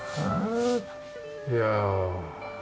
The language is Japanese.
いや。